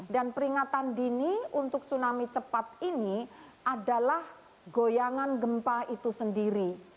dan peringatan dini untuk tsunami cepat ini adalah goyangan gempa itu sendiri